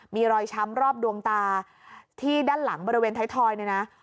มีรอยช้ำรอบดวงตาที่ด้านหลังบริเวณไทยทอยเนี่ยนะ